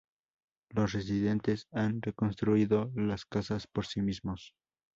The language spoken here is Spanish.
Los residentes han reconstruido las casas por sí mismos.